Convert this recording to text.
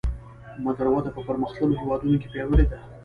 مګر وده په پرمختلونکو هېوادونو کې پیاوړې ده